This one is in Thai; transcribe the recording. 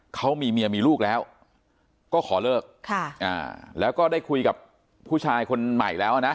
เขามีเมียมีลูกแล้วก็ขอเลิกแล้วก็ได้คุยกับผู้ชายคนใหม่แล้วนะ